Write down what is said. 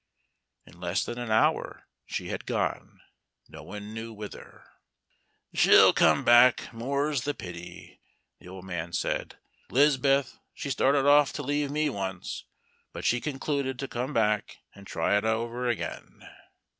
In less than an hour she had gone, no one knew whither. "She'll come back, more's the pity," the old man said. "'Liz'beth, she started off to leave me once, but she concluded to come back and try it over again."